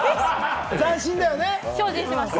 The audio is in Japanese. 斬新だよね。